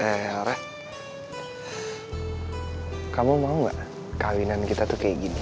eh ara kamu mau gak kawinan kita tuh kayak gini